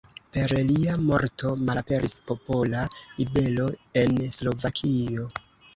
Per lia morto malaperis popola ribelo en Slovakio.